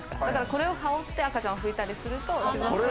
これを羽織って赤ちゃんを拭いたりすると。